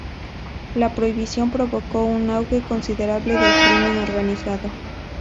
La prohibición provocó un auge considerable del crimen organizado.